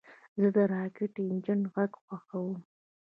زه د راکټ انجن غږ خوښوم.